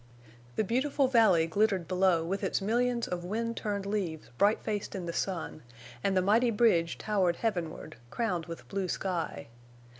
The beautiful valley glittered below with its millions of wind turned leaves bright faced in the sun, and the mighty bridge towered heavenward, crowned with blue sky.